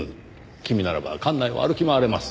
君ならば館内を歩き回れます。